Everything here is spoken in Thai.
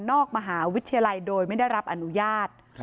ออกมหาวิทยาลัยโดยไม่ได้รับอนุญาต